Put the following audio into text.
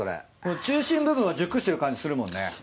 中心部分は熟してる感じするもんね。